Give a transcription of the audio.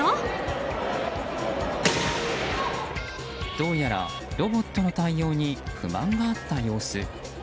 どうやらロボットの対応に不満があった様子。